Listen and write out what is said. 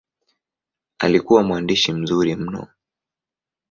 Alikuwa mwandishi mzuri mno.